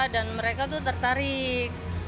dan mereka tuh tertarik